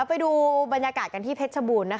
ไปดูบรรยากาศกันที่เพชรชบูรณ์